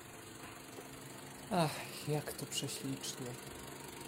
"Ach, jak tu prześlicznie!"